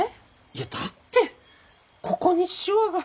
いやだってここにしわが。